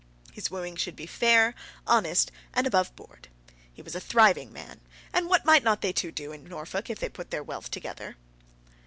His wooing should be fair, honest, and above board. He was a thriving man, and what might not they two do in Norfolk if they put their wealth together?